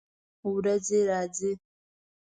ورېځې راځي